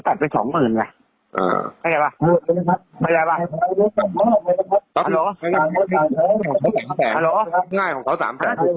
๓คันนี้ของเขาหมดเลยอ่ะ